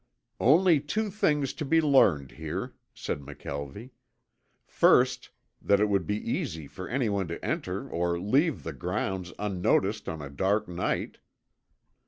"Only two things to be learned here," said McKelvie. "First, that it would be easy for anyone to enter or leave the grounds unnoticed on a dark night."